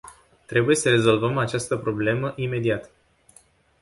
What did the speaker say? Trebuie să rezolvăm această problemă imediat.